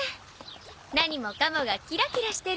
何もかもがキラキラしてる。